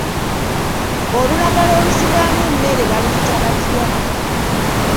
Olulagala olusibwamu emmere baluyita batya?